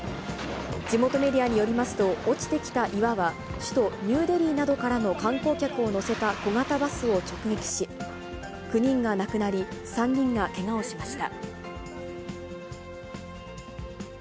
地元メディアによりますと、落ちてきた岩は、首都ニューデリーなどからの観光客を乗せた小型バスを直撃し、９人が亡くなり、３人がけがをしました。